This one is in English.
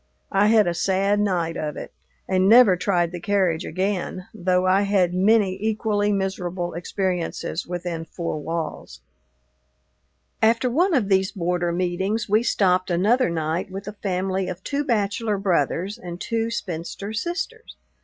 I had a sad night of it, and never tried the carriage again, though I had many equally miserable experiences within four walls. After one of these border meetings we stopped another night with a family of two bachelor brothers and two spinster sisters.